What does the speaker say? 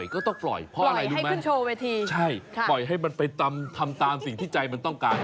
ก็ต้องปล่อยเพราะอะไรรู้ไหมมันโชว์เวทีใช่ปล่อยให้มันไปทำตามสิ่งที่ใจมันต้องการ